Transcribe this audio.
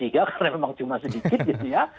karena memang cuma sedikit gitu ya